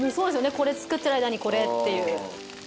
これ作ってる間にこれっていう。